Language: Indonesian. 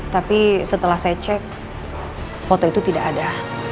tapi setelah saya cek foto itu tidak ada